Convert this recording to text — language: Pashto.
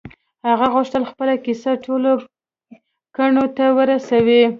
هغه غوښتل خپله کيسه ټولو کڼو ته ورسوي.